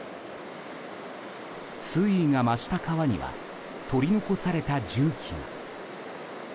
水位が増した川には取り残された重機が。